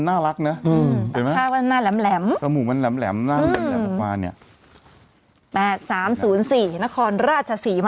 หน้าตามันน่ารักเนี่ย